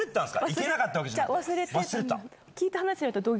行けなかったわけじゃなくて？